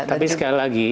tapi sekali lagi